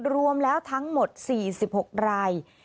รวมแล้วทั้งหมด๔๖ราย